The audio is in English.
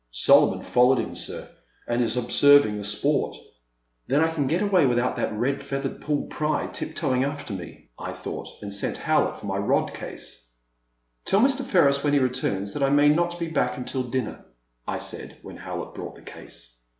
Solomon followed 'im, sir, and is h' observing the sport." Then I can get away without that red feath io8 The Silent Land. 109 ered Paul Pry tiptoeing after me," I thought, and sent Howlett for my rod case. Tell Mr. Ferris, when he returns, that I may not be back until dinner," I said, when Howlett brought the case.